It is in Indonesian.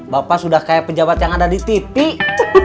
bapak sudah kayak pejabat yang ada di titik